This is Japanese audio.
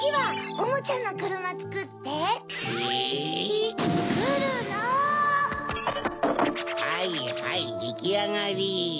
カタカタはいはいできあがり！